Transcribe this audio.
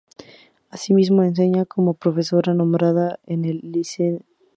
Asimismo enseña como profesora nombrada en el Liceo Estatal Femenino de la ciudad.